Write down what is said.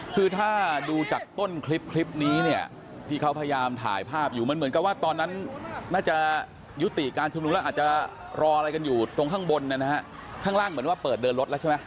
คือถ้าดูจากต้นคลิปคลิปนี้เนี่ยที่เขาพยายามถ่ายภาพอยู่มันเหมือนกับว่าตอนนั้นน่าจะยุติการชุมนุมแล้วอาจจะรออะไรกันอยู่ตรงข้างบนนะฮะข้างล่างเหมือนว่าเปิดเดินรถแล้วใช่ไหม